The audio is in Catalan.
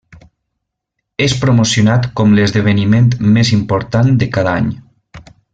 És promocionat com l'esdeveniment més important de cada any.